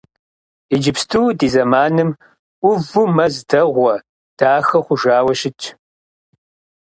Иджыпсту ди зэманым ӏуву мэз дэгъуэ, дахэ хъужауэ щытщ.